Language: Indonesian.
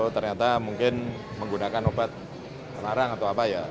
ternyata mungkin menggunakan obat terlarang atau apa ya